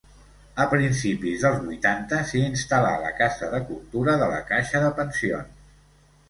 A principis dels vuitanta s'hi instal·là la casa de cultura de la caixa de pensions.